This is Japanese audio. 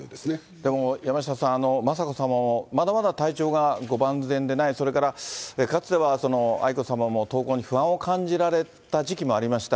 でも山下さん、雅子さまもまだまだ体調がご万全でない、それからかつては愛子さまも登校に不安を感じられた時期もありました。